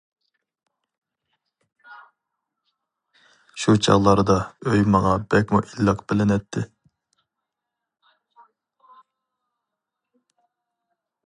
شۇ چاغلاردا ئۆي ماڭا بەكمۇ ئىللىق بىلىنەتتى.